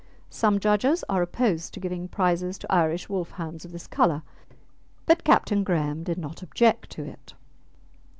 Some judges are opposed to giving prizes to Irish Wolfhounds of this colour, but Captain Graham did not object to it.